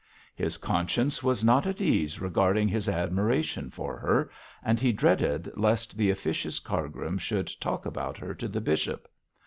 His conscience was not at ease regarding his admiration for her; and he dreaded lest the officious Cargrim should talk about her to the bishop.